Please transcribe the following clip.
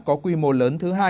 có quy mô lớn thứ hai